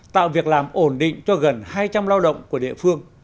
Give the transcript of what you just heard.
tạo việc làm ổn định cho gần hai trăm linh lao động của địa phương